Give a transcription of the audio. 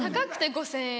３０００円？